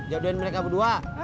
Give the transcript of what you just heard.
jodohin mereka berdua